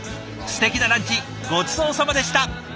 すてきなランチごちそうさまでした。